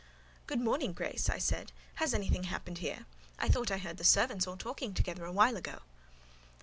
"Good morning, Grace," I said. "Has anything happened here? I thought I heard the servants all talking together a while ago."